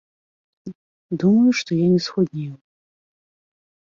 Думаю, што я не схуднеў.